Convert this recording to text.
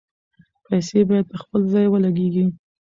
پیسې باید په خپل ځای ولګیږي.